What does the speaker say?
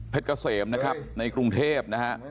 เพชรกะเสมในกรุงเทพ